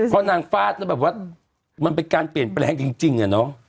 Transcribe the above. เพราะนางฟาดมันเป็นการเปลี่ยนแปลงจริงเนาะ